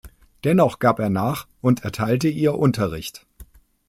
Dennoch gab er nach und erteilte ihr Unterricht.